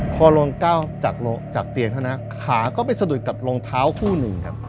พอลงก้าวจากเตียงเท่านั้นขาก็ไปสะดุดกับรองเท้าคู่หนึ่งครับ